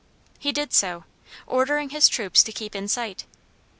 He did so, ordering his troops to keep in sight.